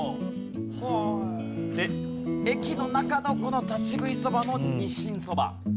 で駅の中のこの立ち食いそばのにしんそば。